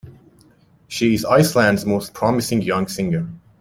She is Iceland's most promising young singer.